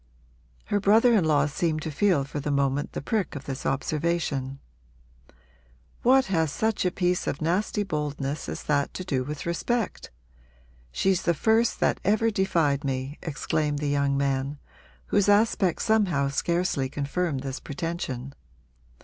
Her brother in law seemed to feel for the moment the prick of this observation. 'What has such a piece of nasty boldness as that to do with respect? She's the first that ever defied me!' exclaimed the young man, whose aspect somehow scarcely confirmed this pretension.